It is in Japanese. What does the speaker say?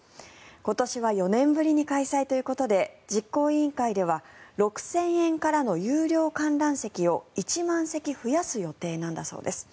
今年は４年ぶりに開催ということで実行委員会では６０００円からの有料観覧席を１万席増やす予定なんだそうです。